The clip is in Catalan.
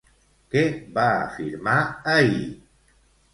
Què va afirmar ahir?